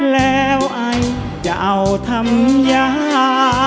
แล้วไอจะเอาทำยา